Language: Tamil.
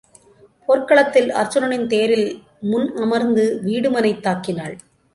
போர்க்களத்தில் அருச்சுனனின் தேரில் முன் அமர்ந்து வீடுமனைத் தாக்கினாள்.